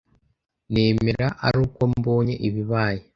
Nemera ari uko mbonye ibibaye